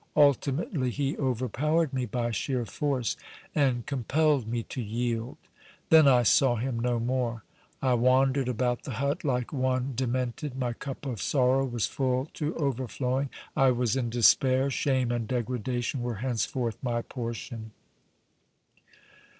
Ultimately he overpowered me by sheer force, and compelled me to yield. Then I saw him no more. I wandered about the hut like one demented. My cup of sorrow was full to overflowing. I was in despair. Shame and degradation were henceforth my portion.